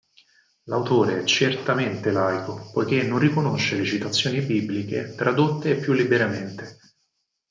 L'autore è certamente laico poiché non riconosce le citazioni bibliche tradotte più liberamente.